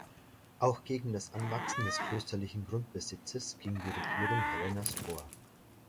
Auch gegen das Anwachsen des klösterlichen Grundbesitzes ging die Regierung Helenas vor.